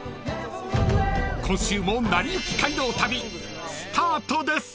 ［今週も『なりゆき街道旅』スタートです］